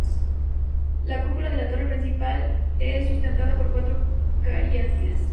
La cúpula de la torre principal es sustentada por cuatro cariátides.